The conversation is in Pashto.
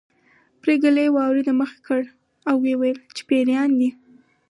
پريګلې وار د مخه کړ او وویل چې پيريان دي